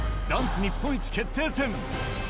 ダンス日本一決定戦。